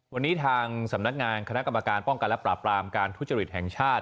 วันนี้ทางสำนักงานคณะกรรมการป้องกันและปราบปรามการทุจริตแห่งชาติ